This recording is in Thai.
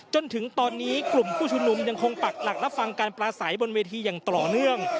จนถึงตอนนี้กลุ่มผู้ชุมนุมยังคงปักหลักรับฟังการปลาใสบนเวทีอย่างต่อเนื่อง